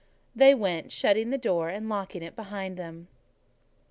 They went, shutting the door, and locking it behind them.